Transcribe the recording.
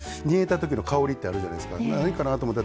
まず鶏と大根が煮えたときの香りってあるじゃないですか。